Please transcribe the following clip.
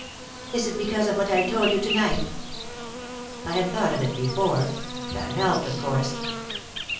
"Is it because of what I told you to night?" "I had thought of it before. That helped, of course."